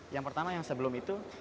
yang pertama yang sebelum itu